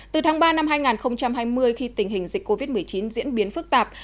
từ tháng ba năm hai nghìn hai mươi khi tình hình dịch covid một mươi chín diễn biến phức tạp